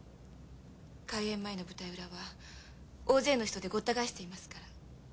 開演前の舞台裏は大勢の人でごった返していますから。